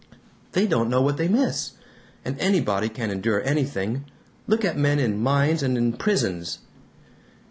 "They don't know what they miss. And anybody can endure anything. Look at men in mines and in prisons."